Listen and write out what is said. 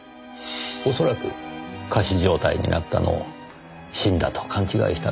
おそらく仮死状態になったのを死んだと勘違いしたのでしょう。